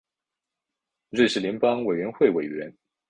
瑞士联邦委员会委员。